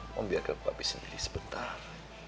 membiarkan papi sendiri sebentar